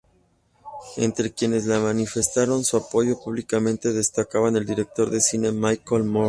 Entre quienes le manifestaron su apoyo públicamente destacan el director de cine Michael Moore.